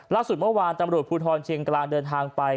ล่าสุดเมื่อวานตำรวจภูทรเชียงกลางเดินทางไป